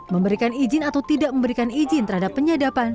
memberikan izin atau tidak memberikan izin terhadap penyadapan